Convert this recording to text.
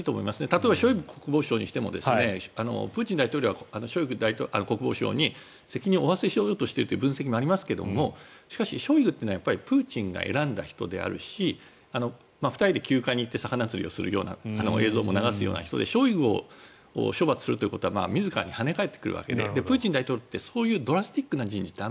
例えば、ショイグ国防相にしてもプーチン大統領はショイグ国防相に責任を負わせようとしているという分析がありますがしかし、ショイグというのはプーチンが選んだ人であるし２人で休暇に行って魚釣りに行くような映像も流すような人でショイグを処罰するということは自らに跳ね返ってくるわけでプーチン大統領ってそういうドラスティックな人事って